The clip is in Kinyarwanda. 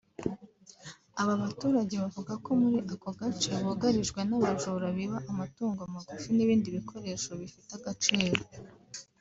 Aba baturage bavuga ko muri ako gace bugarijwe n’abajura biba amatungo magufi n’ibindi bikoresho bifite agaciro